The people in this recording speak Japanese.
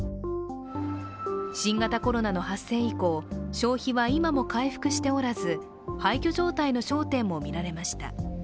新型コロナの発生以降、消費は今も回復しておらず廃虚状態の商店も見られました。